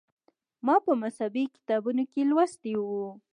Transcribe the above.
ما په مذهبي کتابونو کې لوستي و.